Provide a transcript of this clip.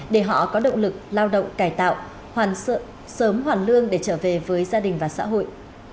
để họ có động lực lao động cải tạo sớm hoàn lương để trở về với gia đình và xã hội